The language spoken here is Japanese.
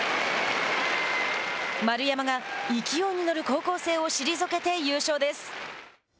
丸山が勢いに乗る高校生を退けて優勝です。